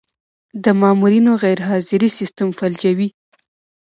د مامورینو غیرحاضري سیستم فلجوي.